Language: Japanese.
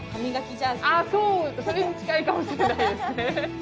あそうそれに近いかもしれないですね。